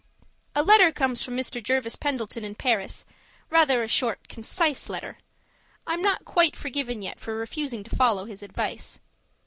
A letter comes from Mr. Jervis Pendleton in Paris, rather a short concise letter; I'm not quite forgiven yet for refusing to follow his advice.